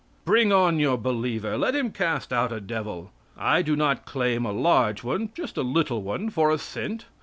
Bring on your believer! Let him cast out a devil. I do not claim a large one, "just a little one for a cent."